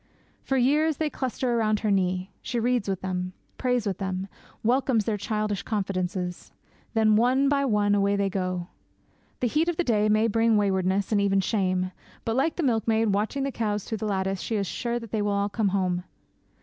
For years they cluster round her knee; she reads with them; prays with them; welcomes their childish confidences. Then, one by one, away they go! The heat of the day may bring waywardness, and even shame; but, like the milkmaid watching the cows through the lattice, she is sure they will all come home.